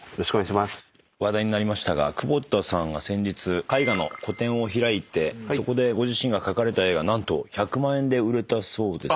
話題になりましたが久保田さんが先日絵画の個展を開いてそこでご自身が描かれた絵が何と１００万円で売れたそうですが。